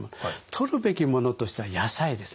とるべきものとしては野菜ですね。